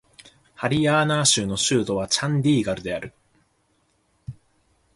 ハリヤーナー州の州都はチャンディーガルである